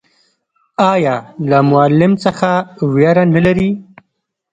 ایا له معلم څخه ویره نلري؟